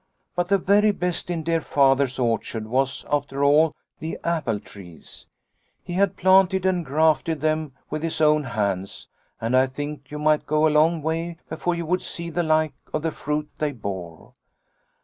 But the very best in dear Father's orchard was, after all, the apple trees. He had planted and grafted them with his own hands, and I think you might go a long way before you would see the like of the fruit they bore.